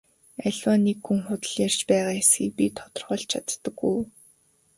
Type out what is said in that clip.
Аливаа нэг хүн худал ярьж байгаа эсэхийг би тодорхойлж чаддаг уу?